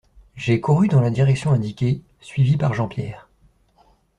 J’ai couru dans la direction indiquée, suivi par Jean-Pierre.